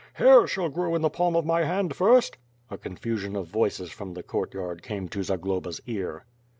Hair shall grow in the palm of my hand first ..." A confusion of voices from the courtyard came to Zagloba's ear.